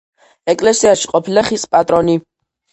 ეკელსიაში ყოფილა ხის პატრონიკე.